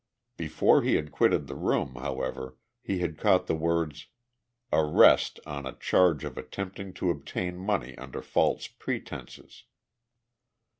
Before he had quitted the room, however, he had caught the words "arrest on a charge of attempting to obtain money under false pretenses."